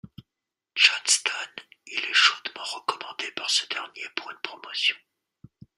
Johnston, il est chaudement recommandé par ce dernier pour une promotion.